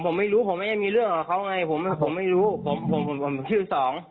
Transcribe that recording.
ผมไม่รู้ผมไม่ได้มีเรื่องกับเขาไงผมผมไม่รู้ผมผมชื่อสอง